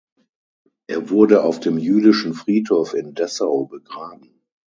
Er wurde auf dem jüdischen Friedhof in Dessau begraben.